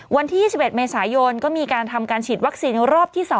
วันที่๒๑เมษายนก็มีการทำการฉีดวัคซีนรอบที่๒